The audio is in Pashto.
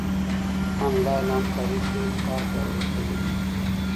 انلاين همکاري ټيم کار پياوړی کوي.